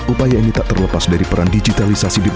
upaya ini tak terlepas dari peran digitalisasi di